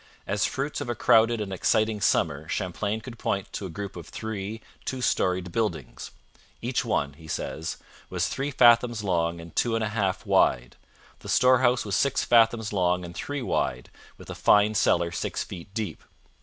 As fruits of a crowded and exciting summer Champlain could point to a group of three two storeyed buildings. 'Each one,' he says, 'was three fathoms long and two and a half wide. The storehouse was six fathoms long and three wide, with a fine cellar six feet deep.